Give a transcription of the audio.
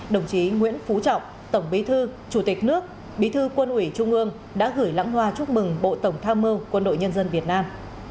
đồng chí nguyễn phú trọng tổng bí thư chủ tịch nước bí thư quân ủy trung ương đã gửi lãng hoa chúc mừng bộ tổng tham mưu quân đội nhân dân việt nam